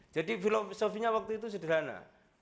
jadi filosofinya waktu itu sederhana